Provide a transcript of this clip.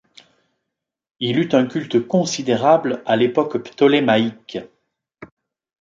Il eut un culte considérable à l'époque ptolémaïque.